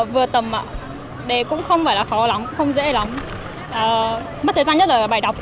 vừa tầm đề cũng không phải là khó lắm không dễ lắm mất thời gian nhất là bài đọc